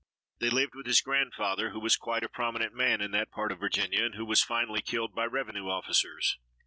They lived with his grandfather, who was quite a prominent man in that part of Virginia and who was finally killed by revenue officers.